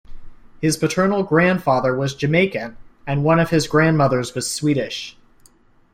His paternal grandfather was Jamaican and one of his grandmothers was Swedish.